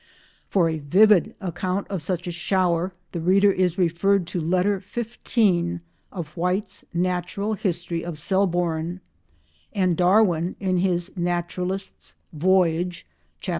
For a vivid account of such a shower the reader is referred to Letter LXV of White's Natural History of Selborne, and Darwin in his Naturalist's Voyage (Chap.